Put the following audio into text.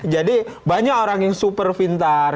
jadi banyak orang yang super pintar